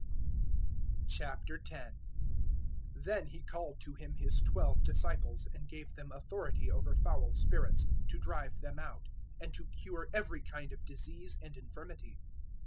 010:001 Then He called to Him His twelve disciples and gave them authority over foul spirits, to drive them out; and to cure every kind of disease and infirmity.